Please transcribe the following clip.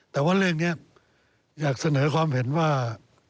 แต่ว่าเรื่องนี้อยากเสนอความเห็นว่า